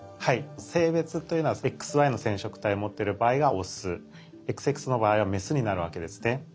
性別というのはＸＹの染色体を持ってる場合がオスＸＸの場合はメスになるわけですね。